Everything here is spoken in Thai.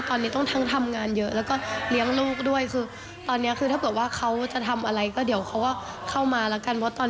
ก็ยังเงียบอยู่ยังเงียบอยู่ค่ะ